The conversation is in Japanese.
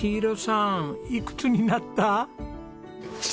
いくつになった？